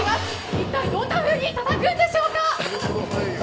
いったいどんなふうにたたくんでしょうか。